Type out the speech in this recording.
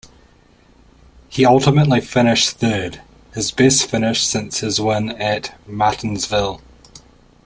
He ultimately finished third; his best finish since his win at Martinsville.